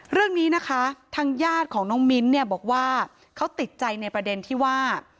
เรื่องนี้นะคะทางญาติของน้องมิ้นท์เนี่ยบอกว่าเขาติดใจในประเด็นที่ว่า